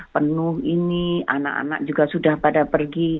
penuh ini anak anak juga sudah pada pergi